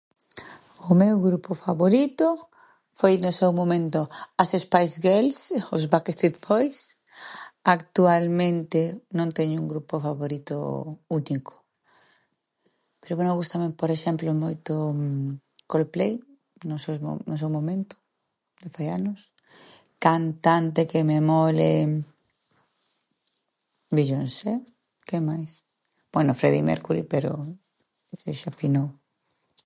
O meu grupo favorito foi no seu momento as Spice Girls, os Backstreet Boys. Actualmente, non teño un grupo favorito único, pero, bueno, gústame, por exemplo, moito Coldplay, no se mo- no seu momento, fai anos, cantante que me mole Beyoncé, que máis?, bueno, Freddie Mercury, pero ese xa finou.